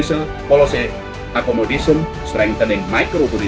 dan perusahaan perusahaan perusahaan ekonomi